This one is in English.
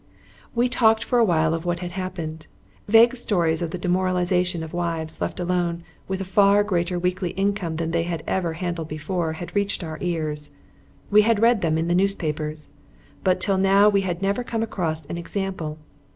We talked a while of what had happened. Vague stories of the demoralization of wives left alone with a far greater weekly income than they had ever handled before had reached our ears. We had read them in the newspapers. But till now we had never come across an example.